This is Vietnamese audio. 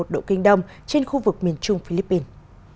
một trăm hai mươi một một độ kinh đông trên khu vực miền trung philippines